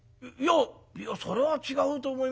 いやそれは違うと思いますよ。